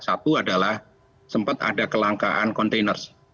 satu adalah sempat ada kelangkaan kontainers